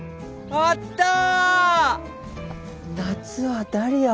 あったー！